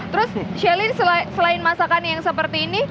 terus sheline selain masakan yang seperti ini